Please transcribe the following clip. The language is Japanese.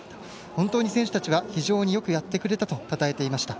本当に選手たちが非常によくやってくれたとたたえていました。